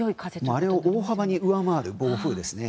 荒れを大幅に上回る暴風ですね。